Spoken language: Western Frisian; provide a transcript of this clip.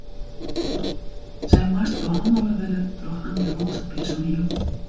Sy moast behannele wurde troch ambulânsepersoniel.